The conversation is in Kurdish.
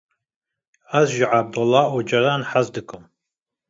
Ez ji Abdullah Ocalan haz dikim